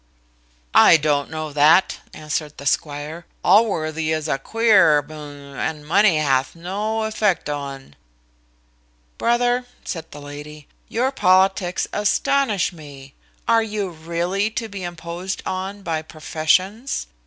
"I don't know that," answered the squire: "Allworthy is a queer b ch, and money hath no effect o'un." "Brother," said the lady, "your politics astonish me. Are you really to be imposed on by professions?